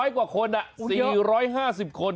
๔๐๐กว่าคนหรือ๔๕๐คน